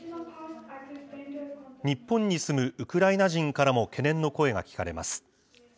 日本に住むウクライナ人からも懸念の声が聞かれます。